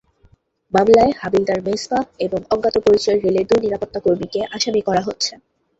মামলায় হাবিলদার মেজবাহ এবং অজ্ঞাতপরিচয় রেলের দুই নিরাপত্তা কর্মীকে আসামি করা হচ্ছে।